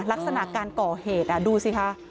ลักษณะการก่อเหตุดูสิคะ